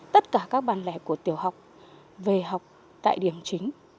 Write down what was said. tất cả các bản lẻ của tiểu học về học tại điểm chính